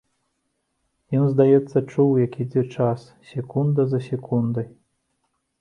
Ён, здаецца, чуў, як ідзе час, секунда за секундай.